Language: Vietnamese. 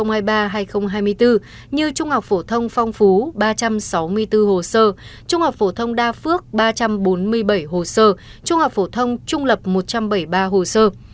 như trung học phổ thông phong phú ba trăm sáu mươi bốn hồ sơ trung học phổ thông đa phước ba trăm bốn mươi bảy hồ sơ trung học phổ thông trung lập một trăm bảy mươi ba hồ sơ